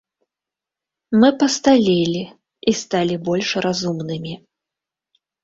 Мы пасталелі і сталі больш разумнымі.